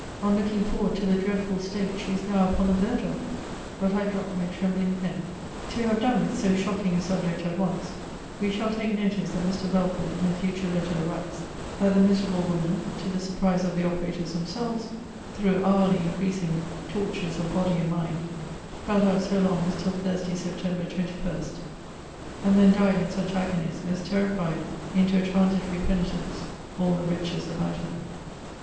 on looking forward to the dreadful state she is now upon the verge of! But I drop my trembling pen. To have done with so shocking a subject at once, we shall take notice, that Mr. Belford, in a future letter, writes, that the miserable woman, to the surprise of the operators themselves, (through hourly increasing tortures of body and mind,) held out so long as till Thursday, Sept. 21; and then died in such agonies as terrified into a transitory penitence all the wretches about her.